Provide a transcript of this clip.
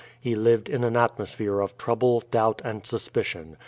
He lived in an atmosphere of trouble, doubt, and suspicion.